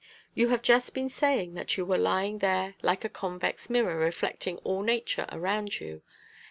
You have just been saying that you were lying there like a convex mirror reflecting all nature around you.